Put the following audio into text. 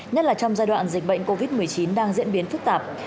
nhất là trong giai đoạn dịch bệnh covid một mươi chín đang diễn biến phức tạp